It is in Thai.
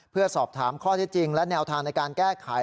เพื่อสอบถามข้อที่จริงและแนวทางในการแก้ไข